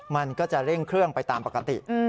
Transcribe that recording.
มันก็จะเร่งเครื่องไปตามปกติ